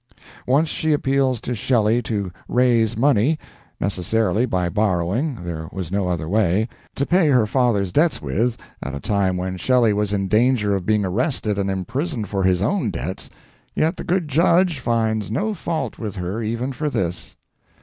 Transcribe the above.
Once she appeals to Shelley to raise money necessarily by borrowing, there was no other way to pay her father's debts with at a time when Shelley was in danger of being arrested and imprisoned for his own debts; yet the good judge finds no fault with her even for this.